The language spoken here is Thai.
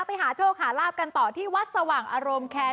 ไปหาโชคหาลาบกันต่อที่วัดสว่างอารมณ์แคร์